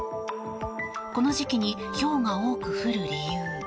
この時期にひょうが多く降る理由。